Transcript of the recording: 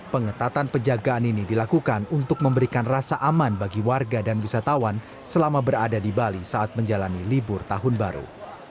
pengetatan penjagaan ini dilakukan untuk memberikan rasa aman bagi warga dan wisatawan selama berada di bali saat menjalani libur tahun baru